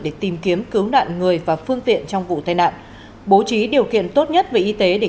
để tìm kiếm cứu nạn người và phương tiện trong vụ tai nạn bố trí điều kiện tốt nhất về y tế để